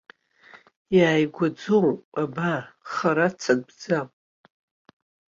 Иааигәаӡоуп, абар, хара цатәӡам.